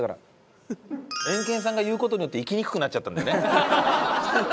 エンケンさんが言う事によっていきにくくなっちゃったんだよね。